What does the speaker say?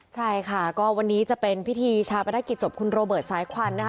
ใช่ค่ะก็วันนี้จะเป็นพิธีชาปนกิจศพคุณโรเบิร์ตสายควันนะคะ